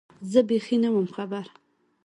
زه بېخي نه وم خبر